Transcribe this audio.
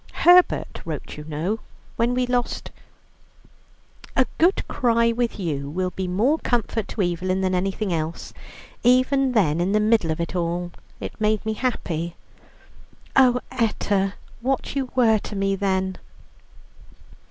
Herbert wrote you know, when we lost 'A good cry with you will be more comfort to Evelyn than anything else.' Even then, in the middle of it all, it made me happy." "Oh, Etta, what you were to me then!"